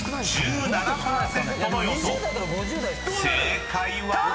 ［正解は⁉］